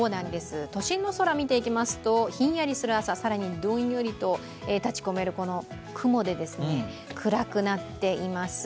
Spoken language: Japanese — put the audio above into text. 都心の空見ていきますと、ひんやりする朝、更にどんよりと立ちこめる雲で暗くなっています。